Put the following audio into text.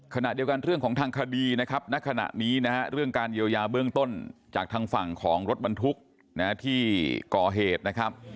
ขณะเดียวกันเรื่องของทางคดีนะครับณขณะนี้นะฮะเรื่องการเยียวยาเบื้องต้นจากทางฝั่งของรถบรรทุกที่ก่อเหตุนะครับ